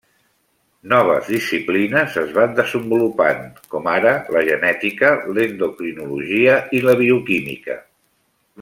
Noves disciplines es van desenvolupant, com ara la genètica, l'endocrinologia i la bioquímica.